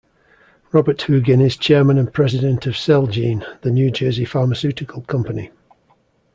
Robert Hugin is Chairman and President of Celgene, the New Jersey pharmaceutical company.